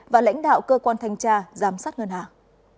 và lãnh đạo cơ quan thanh tra giám sát ngân hàng